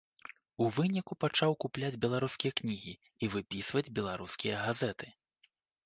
У выніку пачаў купляць беларускія кнігі і выпісваць беларускія газеты.